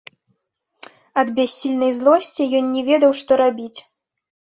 Ад бяссільнай злосці ён не ведаў, што рабіць.